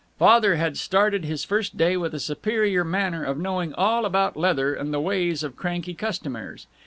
Father had started his first day with a superior manner of knowing all about leather and the ways of cranky customers.